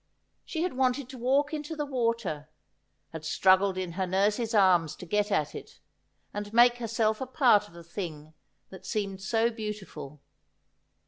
She had wanted to walk into the water — had struggled in her nurse's arms to get at it, and make herself a part of the thing that seemed so beautiful.